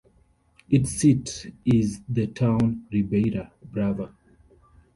Its seat is the town Ribeira Brava.